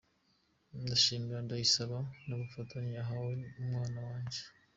Ndashimira Ndayisaba k’ubufasha ahaye umwana wanjye.